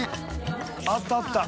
あったあった！